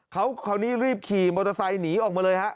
เขานี่รีบขี่มอเตอร์ไซด์หนีออกมาเลยครับ